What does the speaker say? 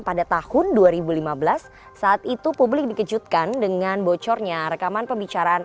pada tahun dua ribu lima belas saat itu publik dikejutkan dengan bocornya rekaman pembicaraan